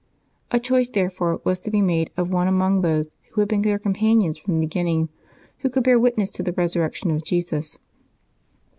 A choice, there fore, was to be made of one among those who had been their companions from the beginning, who could bear wit ness to the Resurrection of Jesus.